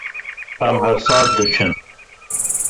Em her sal diçin.